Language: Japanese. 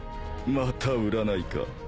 また占いか。